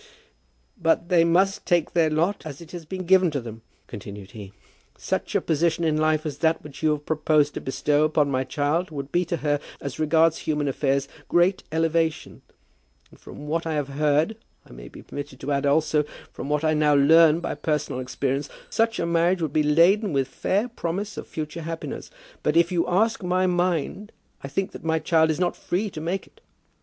"But they must take their lot as it has been given to them," continued he. "Such a position in life as that which you have proposed to bestow upon my child would be to her, as regards human affairs, great elevation. And from what I have heard, I may be permitted to add also from what I now learn by personal experience, such a marriage would be laden with fair promise of future happiness. But if you ask my mind, I think that my child is not free to make it.